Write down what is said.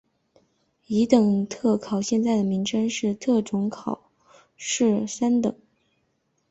乙等特考现在的名称是特种考试三等。